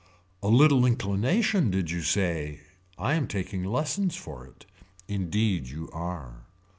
A little inclination did you say I am taking lessons for it. Indeed you are.